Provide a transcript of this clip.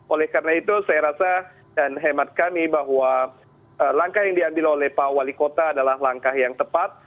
oleh karena itu saya rasa dan hemat kami bahwa langkah yang diambil oleh pak wali kota adalah langkah yang tepat